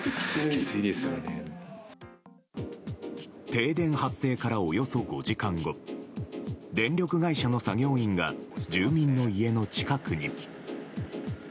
停電発生からおよそ５時間後電力会社の作業員が住民の家の近くに。